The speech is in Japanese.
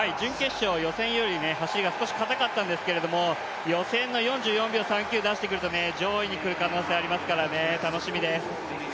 予選より走りがかたかったんですが予選が４４秒３９出してくると上位にくる可能性ありますから楽しみです。